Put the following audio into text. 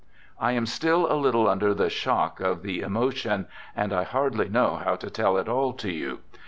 I am still a little under the shock of the emotion, and I hardly know how to tell it all to you.